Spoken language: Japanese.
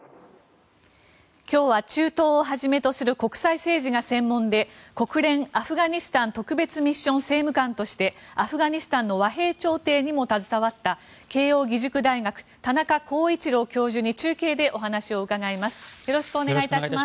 今日は中東をはじめとする国際政治が専門で国連アフガニスタン特別ミッション政務官としてアフガニスタンの和平調停にも携わった慶應義塾大学田中浩一郎教授に中継で話を伺いたいと思います。